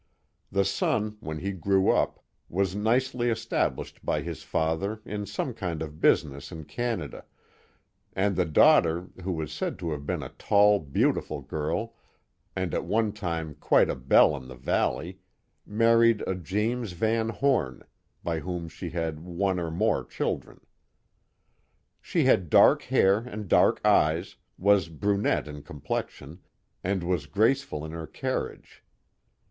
The son, when he grew up, was nicely established by his father in some kind of business in Canada, and the daughter, who was said to have been a tall, beautiful girl, and at one time quite a belle in the valley, mar ried a James Van Home, by whom she had one or more chil dren. She had dark hair and dark eyes, was brunette in complexion, and was graceful in her carriage.